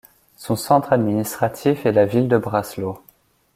Son centre administratif est la ville de Braslaw.